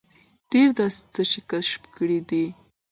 ډېر داسې څه یې کشف کړي دي.